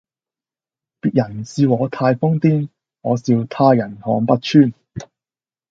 別人笑我太瘋癲，我笑他人看不穿